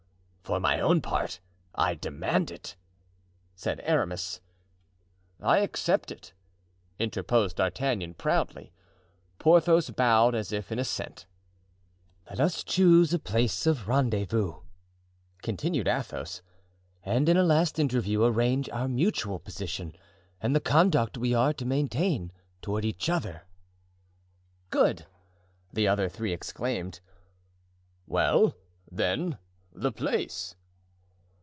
"For my own part, I demand it," said Aramis. "I accept it," interposed D'Artagnan, proudly. Porthos bowed, as if in assent. "Let us choose a place of rendezvous," continued Athos, "and in a last interview arrange our mutual position and the conduct we are to maintain toward each other." "Good!" the other three exclaimed. "Well, then, the place?"